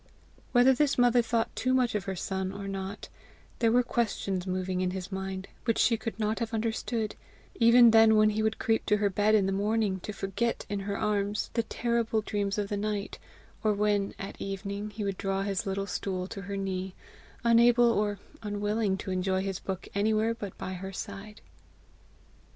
Whether this mother thought too much of her son or not, there were questions moving in his mind which she could not have understood even then when he would creep to her bed in the morning to forget in her arms the terrible dreams of the night, or when at evening he would draw his little stool to her knee, unable or unwilling to enjoy his book anywhere but by her side.